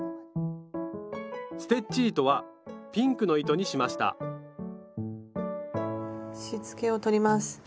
ステッチ糸はピンクの糸にしましたしつけを取ります。